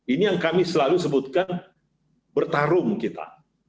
ini yang kami selalu sebutkan bertarung kita